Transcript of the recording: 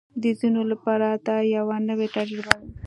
د ځینو لپاره دا یوه نوې تجربه ده